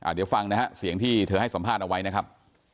เดี๋ยวฟังนะฮะเสียงที่เธอให้สัมภาษณ์เอาไว้นะครับ